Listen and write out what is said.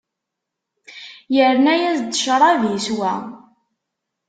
Yerna-yas-d ccṛab, iswa.